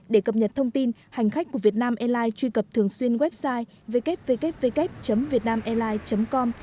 để cập nhật thông tin hành khách của việt nam airlines truy cập thường xuyên website www vietnamairlines com